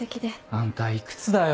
あんたいくつだよ！